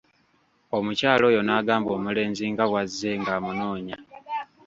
Omukyala oyo n'agamba omulenzi nga bwazze ng'amunoonya.